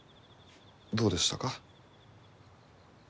どうでしたか？